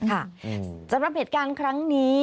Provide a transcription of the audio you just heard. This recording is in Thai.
สำหรับเหตุการณ์ครั้งนี้